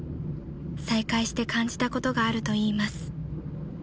［再会して感じたことがあると言います］